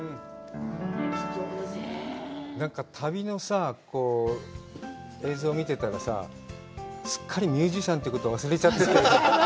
なんか旅のさ、映像見てたらさ、すっかりミュージシャンということを忘れちゃってた。